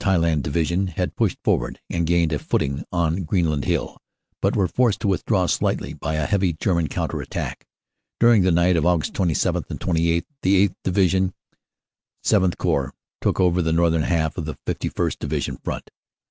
(Highland) Division had pushed forward and gained a footing on Greenland Hill, but were forced to withdraw slightly by a heavy German counter attack. During the night of Aug. 27 28 the 8th. Division (VII Corps) took over the northern half of the 5 1st. Division front.